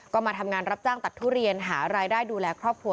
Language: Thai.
ก็มาทำงานรับจ้างตัดทุเรียนหารายได้ดูแลครอบครัว